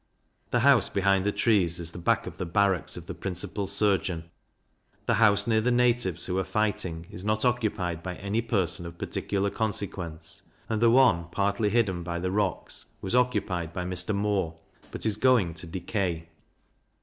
The house behind the trees is the back of the Barracks of the principal Surgeon. The house near the Natives, who are fighting, is not occupied by any person of particular consequence; and the one, partly hidden by the rocks, was occupied by Mr. Moore, but is going to decay.